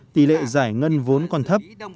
tỷ lệ giải ngân vốn còn thấp